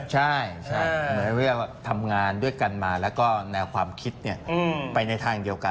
ใช่เหมือนว่าทำงานด้วยกันมาแล้วก็แนวความคิดไปในทางเดียวกัน